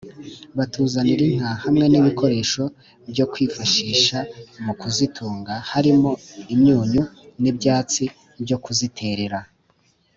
batuzanira inka hamwe n’ibikoresho byo kwifashisha mu kuzitunga harimo imyunyu n’ibyatsi byo kuziterera”